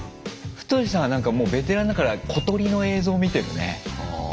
ふとしさんはもうベテランだから小鳥の映像見てるね。